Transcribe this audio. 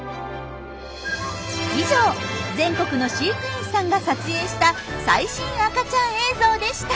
以上全国の飼育員さんが撮影した最新赤ちゃん映像でした！